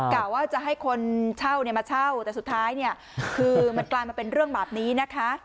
กะว่าจะให้คนเช่าเนี่ยมาเช่าแต่สุดท้ายเนี่ยคือมันกลายมาเป็นเรื่องแบบนี้นะคะ